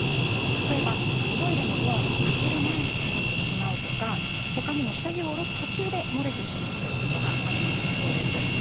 例えばトイレのドアを開ける前に漏れてしまうとか下着を下ろす途中で漏れてしまうということがあるんだそうです。